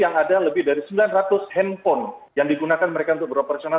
yang ada lebih dari sembilan ratus handphone yang digunakan mereka untuk beroperasional